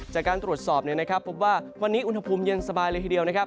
จากการตรวจสอบวันนี้อุณหภูมิเย็นสบายเลยทีเดียว